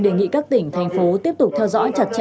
đề nghị các tỉnh thành phố tiếp tục theo dõi chặt chẽ